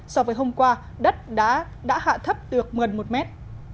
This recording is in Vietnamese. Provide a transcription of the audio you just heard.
so với hôm qua đất đã hạ thấp được gần một mét